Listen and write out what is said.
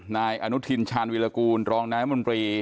นายอนุทินชาญวิรากูลรองนายมนตรี